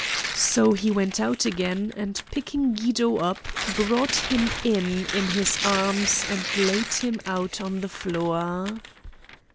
So he went out again, and picking Guido up, brought him in in his arms and laid him out on the floor.